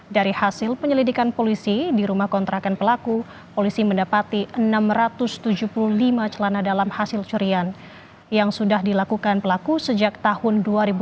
dari hasil penyelidikan polisi di rumah kontrakan pelaku polisi mendapati enam ratus tujuh puluh lima celana dalam hasil curian yang sudah dilakukan pelaku sejak tahun dua ribu